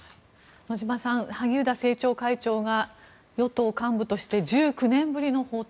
野嶋さん萩生田政調会長が与党幹部として１９年ぶりの訪台。